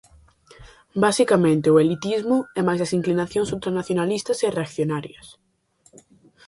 Basicamente o elitismo e mais as inclinacións ultranacionalistas e reaccionarias.